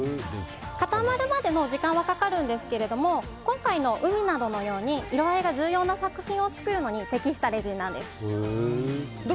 固まるまでの時間はかかりますが今回の海などのように色合いが重要な作品を作るのに適したレジンなんです。